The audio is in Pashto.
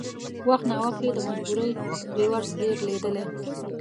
وخت ناوخت یې د مجبورۍ رېورس ګیر لېدلی.